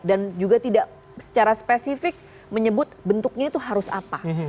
dan juga tidak secara spesifik menyebut bentuknya itu harus apa